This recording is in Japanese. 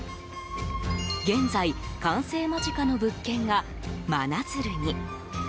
現在、完成間近の物件が真鶴に。